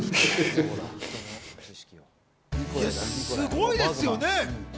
すごいですよね。